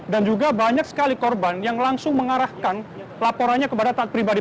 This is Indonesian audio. dan juga banyak sekali korban yang langsung mengarahkan laporannya kepada taat pribadi